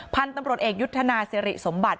พันธุ์ตำรวจเอกยุทธนาสิริสมบัติ